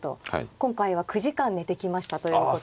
今回は９時間寝てきましたということも。